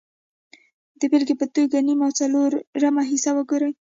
د بېلګې په توګه نیم او څلورمه حصه وګورئ